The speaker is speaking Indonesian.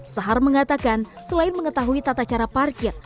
sahar mengatakan selain mengetahui tata cara parkir